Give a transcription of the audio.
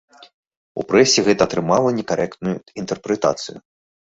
У прэсе гэта атрымала некарэктную інтэрпрэтацыю.